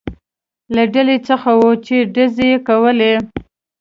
له ډلې څخه و، چې ډزې یې کولې.